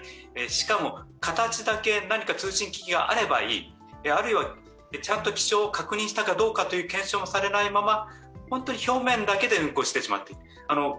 しかも形だけ何か通信機器があればいい、あるいは、ちゃんと気象を確認したか検証がされないまま本当に表面だけで運航してしまっている。